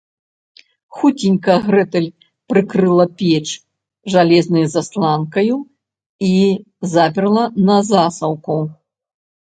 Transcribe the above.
Хуценька Грэтэль прыкрыла печ жалезнай засланкаю і заперла на засаўку